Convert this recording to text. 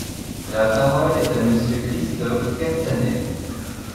La parole est à Monsieur Christophe Castaner.